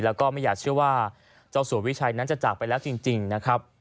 แล้วก็ไม่อยากเชื่อว่าเจ้าสัววิชัยนั้นจะจากไปแล้วจริงนะครับ